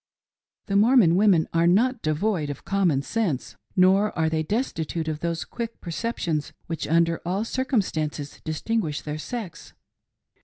The Mormon women are not devoid of common sense, nor are they destitute of those quick perceptions which under all circumstances distinguish their sex.